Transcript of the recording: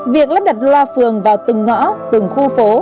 việc lắp đặt loa phường vào từng ngõ từng khu phố